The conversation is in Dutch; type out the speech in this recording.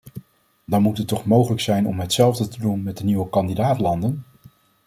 Dan moet het toch mogelijk zijn om hetzelfde te doen met de nieuwe kandidaat-landen?